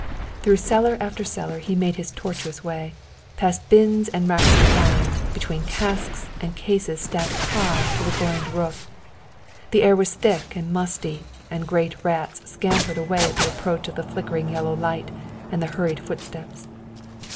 Through cellar after cellar he made his tortuous way, past bins and racks of wine, between casks and cases stacked high to the groined roof. The air was thick and musty and great rats scampered away at the approach of the flickering yellow light and the hurried footsteps.